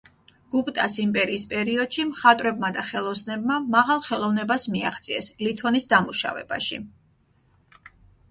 გუპტას იმპერიის პერიოდში მხატვრებმა და ხელოსნებმა მაღალ ხელოვნებას მიაღწიეს ლითონის დამუშავებაში.